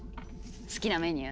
好きなメニュー？